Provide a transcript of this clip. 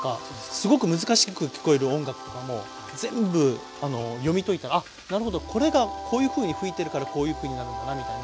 すごく難しく聞こえる音楽とかも全部読み解いたらあっなるほどこれがこういうふうに吹いてるからこういうふうになるんだなみたいな。